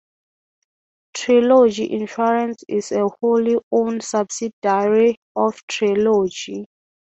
Trilogy Insurance is a wholly owned subsidiary of Trilogy.